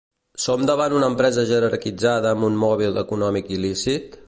Som davant una empresa jerarquitzada amb un mòbil econòmic il·lícit?